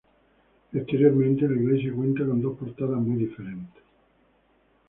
Exteriormente la iglesia cuenta con dos portadas muy diferentes.